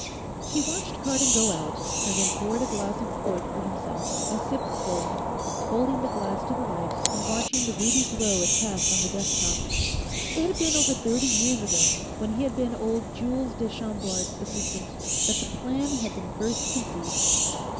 He watched Cardon go out, and then poured a glass of port for himself and sipped slowly, holding the glass to the light and watching the ruby glow it cast on the desk top. It had been over thirty years ago, when he had been old Jules de Chambord's assistant, that the Plan had been first conceived.